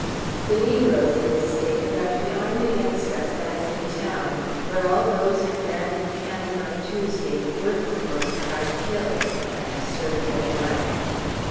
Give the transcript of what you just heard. The negroes, it is stated, are to be armed against us as in town, where all those who manned the cannon on Tuesday were, for the most part, killed; and served them right!